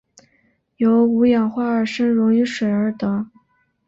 由五氧化二砷溶于水而得。